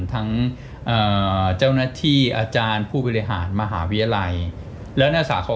เอ่อเจ้าหน้าที่อาจารย์ผู้บริหารมหาวิทยาลัยแล้วนักศาเขา